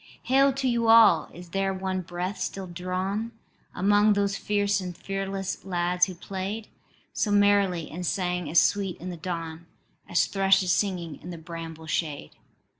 "Hail to you all: is there one breath still drawn Among those fierce and fearless lads who played So merrily, and sang as sweet in the dawn As thrushes singing in the bramble shade?